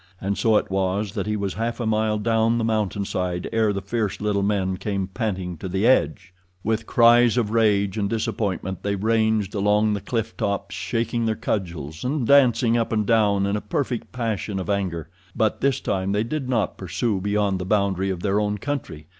And so it was that he was half a mile down the mountainside ere the fierce little men came panting to the edge. With cries of rage and disappointment they ranged along the cliff top shaking their cudgels, and dancing up and down in a perfect passion of anger. But this time they did not pursue beyond the boundary of their own country.